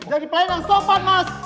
jadi pelayanan sopan mas